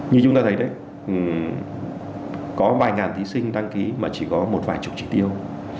như chúng ta thấy đấy có vài ngàn thí sinh đăng ký mà chỉ có một vài chục trị tiêu